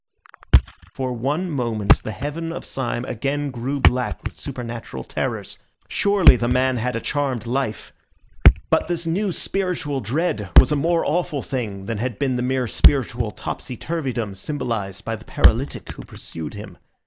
For one moment the heaven of Syme again grew black with supernatural terrors. Surely the man had a charmed life. But this new spiritual dread was a more awful thing than had been the mere spiritual topsy turvydom symbolised by the paralytic who pursued him.